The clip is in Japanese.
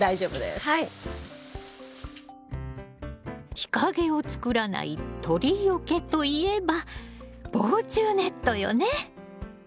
日陰を作らない鳥よけといえば防虫ネットよね。